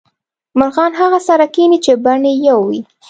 مرغان هغه سره کینې چې بڼې یو وې